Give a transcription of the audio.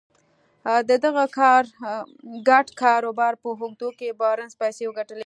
د دغه ګډ کاروبار په اوږدو کې بارنس پيسې وګټلې.